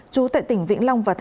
trú tại tỉnh vĩnh long và tà ninh